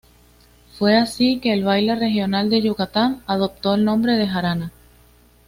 Fue así que el baile regional de Yucatán adoptó el nombre de Jarana.